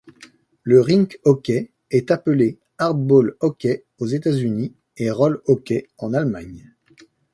Le rink hockey est appelé Hardball Hockey aux États-Unis et RollHockey en Allemagne.